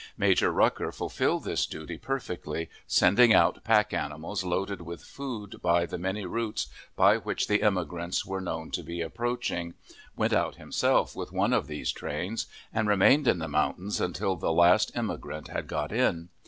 Major Rucker fulfilled this duty perfectly, sending out pack trains loaded with food by the many routes by which the immigrants were known to be approaching, went out himself with one of these trains, and remained in the mountains until the last immigrant had got in.